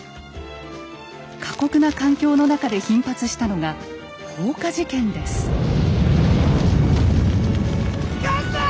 過酷な環境の中で頻発したのが火事だ！